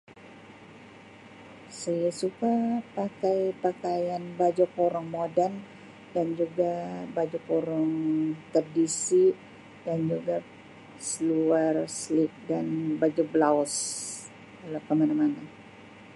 Saya suka pakai pakaian baju kurung modan dan juga baju kurung tradisi dan juga seluar slack dan baju blouse kalau ke mana-mana.